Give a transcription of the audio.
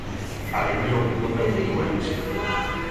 A reunión non deu moito máis de si.